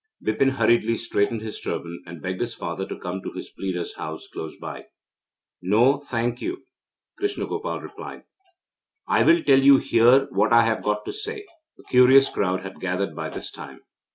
Bipin hurriedly straightened his turban, and begged his father to come to his pleader's house close by. 'No, thank you,' Krishna Gopal replied, 'I will tell you here what I have got to say.' A curious crowd had gathered by this time.